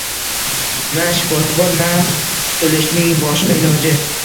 Na shifosi bor, na qutulishning boshqa iloji.